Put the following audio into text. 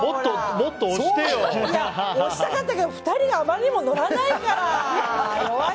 推したかったけど２人があまりにも乗らないから。